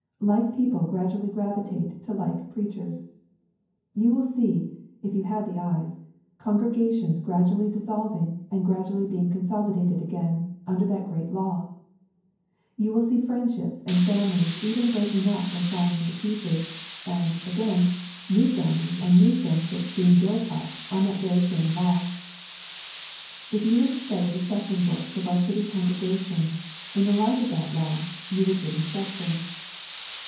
Like people gradually gravitate to like preachers. You will see, if you have the eyes, congregations gradually dissolving and gradually being consolidated again under that great law. You will see friendships and families even breaking up and flying into pieces; and, again, new families and new friendships being built up on that very same law. If you were to study the session books of our city congregations in the light of that law, you would get instruction.